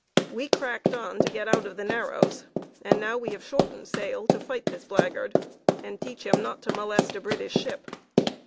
We cracked on to get out of the narrows, and now we have shortened sail to fight this blackguard, and teach him not to molest a British ship.